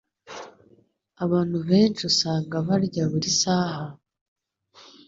Abantu benshi usanga barya buri saha,